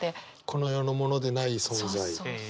この世のものでない存在？